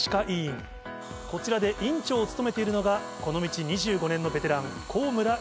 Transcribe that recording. こちらで院長を務めているのがこの道２５年のベテラン。